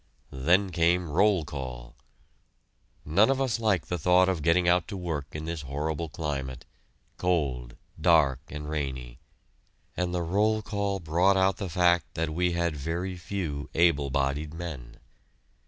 Then came roll call! None of us like the thought of getting out to work in this horrible climate, cold, dark, and rainy, and the roll call brought out the fact that we had very few able bodied men.